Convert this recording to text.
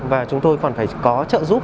và chúng tôi còn phải có trợ giúp